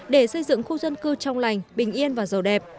để xây dựng khu dân cư trong lành bình yên và giàu đẹp